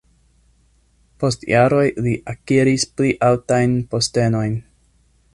Post jaroj li akiris pli altajn postenojn.